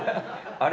あれ？